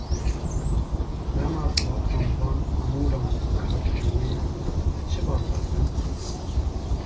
Dema ku em van amûran bi kar tînin, li çi baldar bin?